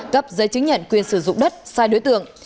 cấp giấy chứng nhận quyền sử dụng đất sai đối tượng